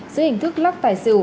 dưới hình thức lắc tài xử